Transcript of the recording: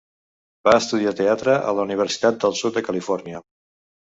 Va estudiar teatre a la Universitat del Sud de Califòrnia.